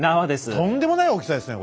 とんでもない大きさですね